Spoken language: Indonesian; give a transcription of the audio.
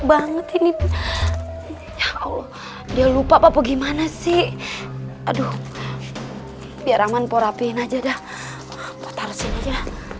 banget ini ya allah dia lupa apa gimana sih aduh biar aman por api aja dah potasinya ya